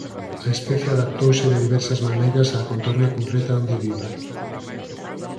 A especie adaptouse de diversas maneiras á contorna concreta onde viva.